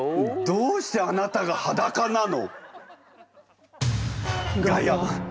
どうしてあなたが裸なの？